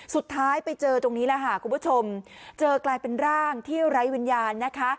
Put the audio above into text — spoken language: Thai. สุดท้ายไปเจอตรงนี้แหละค่ะคุณผู้ชมเจอกลายเป็นร่างที่ไร้วิญญาณนะคะ